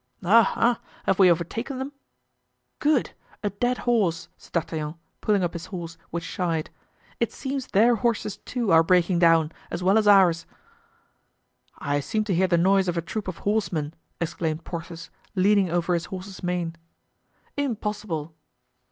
"Ah! ah! have we overtaken them?" "Good! a dead horse!" said D'Artagnan, pulling up his horse, which shied; "it seems their horses, too, are breaking down, as well as ours." "I seem to hear the noise of a troop of horsemen," exclaimed Porthos, leaning over his horse's mane. "Impossible."